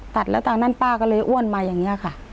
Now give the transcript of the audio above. ตัดแล้วตอนนั้นป้าก็เลยอ้วนมาอย่างนี้ค่ะ